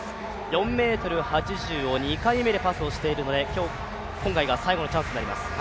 ４ｍ８０を２回目でパスをしているので今回が最後のチャンスになります。